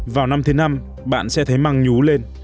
vào năm thứ năm bạn sẽ thấy mang nhú lên